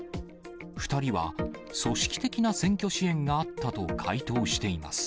２人は組織的な選挙支援があったと回答しています。